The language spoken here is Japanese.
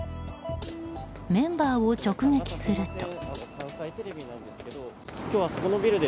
メンバーを直撃すると。